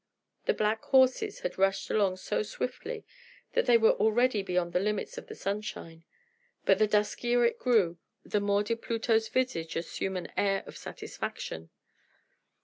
The black horses had rushed along so swiftly that they were already beyond the limits of the sunshine. But the duskier it grew, the more did Pluto's visage assume an air of satisfaction.